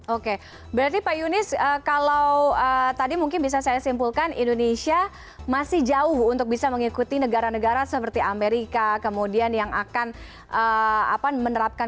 oke berarti pak yunis kalau tadi mungkin bisa saya simpulkan indonesia masih jauh untuk bisa mengikuti negara negara seperti amerika kemudian yang akan menerapkan